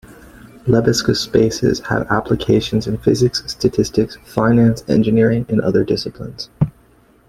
Lebesgue spaces have applications in physics, statistics, finance, engineering, and other disciplines.